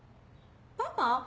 パパ？